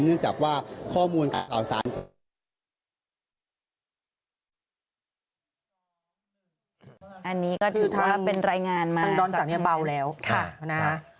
เนื่องจากว่าข้อมูลอันนี้ก็ถือว่าเป็นรายงานมาตรงนี้เบาแล้วค่ะค่ะนะฮะ